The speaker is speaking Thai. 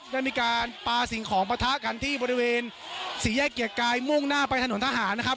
ได้มีการปลาสิ่งของปะทะกันที่บริเวณสี่แยกเกียรติกายมุ่งหน้าไปถนนทหารนะครับ